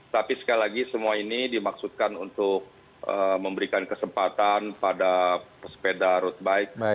tapi sekali lagi semua ini dimaksudkan untuk memberikan kesempatan pada pesepeda road bike